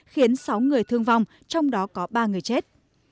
khiến sáu người thương vong trong đó có ba người chết